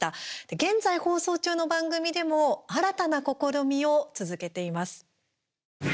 現在放送中の番組でも新たな試みを続けています。